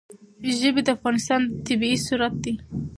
ژبې د افغانستان طبعي ثروت دی.